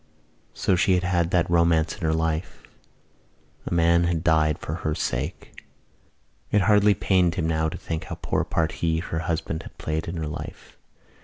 So she had had that romance in her life: a man had died for her sake. It hardly pained him now to think how poor a part he, her husband, had played in her life.